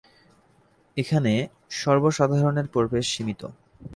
এখানে সর্বসাধারণের প্রবেশ সীমিত।